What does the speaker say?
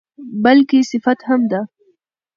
بلکې صفت هم ده.